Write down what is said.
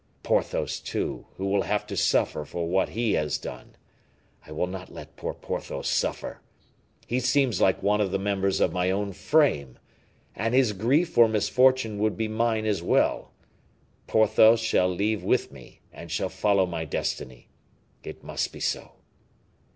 Porthos, too, who will have to suffer for what he has done. I will not let poor Porthos suffer. He seems like one of the members of my own frame; and his grief or misfortune would be mine as well. Porthos shall leave with me, and shall follow my destiny. It must be so."